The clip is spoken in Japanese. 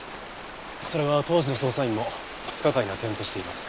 それは当時の捜査員も不可解な点としています。